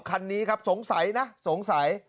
คันนี้ครับสงสัยนะสงสัย